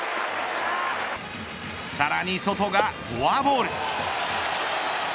さらにソトがフォアボール。